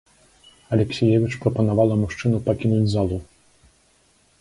Алексіевіч прапанавала мужчыну пакінуць залу.